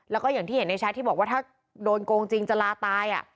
แล้วก็อย่างที่เห็นในแชทที่บอกว่าถ้าโดนโกงจริงจะลาตาย